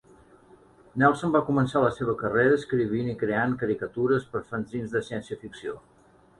Nelson va començar la seva carrera escrivint i creant caricatures per a fanzins de ciència-ficció.